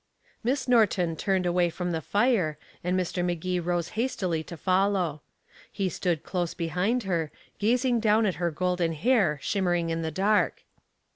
Miss Norton turned away from the fire, and Mr. Magee rose hastily to follow. He stood close behind her, gazing down at her golden hair shimmering in the dark.